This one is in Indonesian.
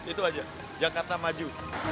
itu aja jakarta maju